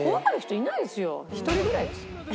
１人ぐらいですよ。